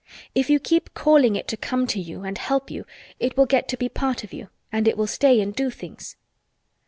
If you keep calling it to come to you and help you it will get to be part of you and it will stay and do things."